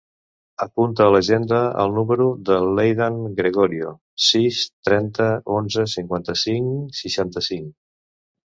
Apunta a l'agenda el número de l'Eidan Gregorio: sis, trenta, onze, cinquanta-cinc, seixanta-cinc.